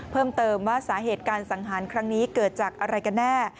เพิ่มเติมว่าสาเหตุการสังหารครั้งนี้เกิดจากอะไรกันแน่